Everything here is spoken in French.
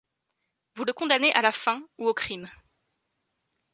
Vous le condamnez à la faim ou au crime.